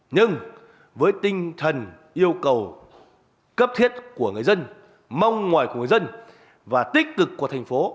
nhưng với tinh thần yêu cầu cấp thiết của người dân mong ngoài của dân và tích cực của thành phố